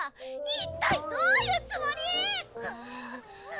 一体どういうつもり⁉う